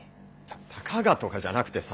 たかがとかじゃなくてさ